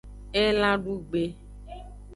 Elan dugbe.